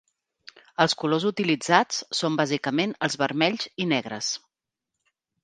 Els colors utilitzats són bàsicament els vermells i negres.